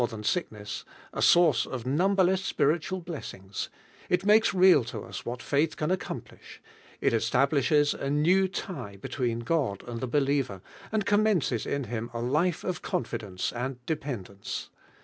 than sickness, a source of numberless splritnaJ blessings; it makes real to us what faith ran accomplish, it establishes ii new lie between Gbjd I t ImJieJUercr, and commences in hhu a life of confi dence and dependence.